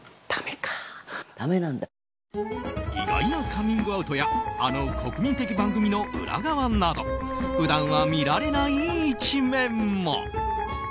意外なカミングアウトやあの国民的番組の裏側など普段は見られない一面も。